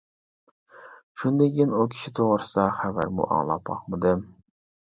شۇندىن كىيىن ئۇ كىشى توغرىسىدا خەۋەرمۇ ئاڭلاپ باقمىدىم.